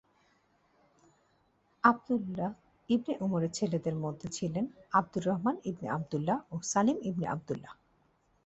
আবদুল্লাহ ইবনে উমরের ছেলেদের মধ্যে ছিলেন আবদুর রহমান ইবনে আবদুল্লাহ ও সালিম ইবনে আবদুল্লাহ।